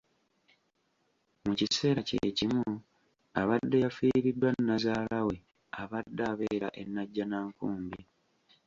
Mu kiseera kye kimu abadde yafiiriddwa Nnazaala we abadde abeera e Nnajjanakumbi.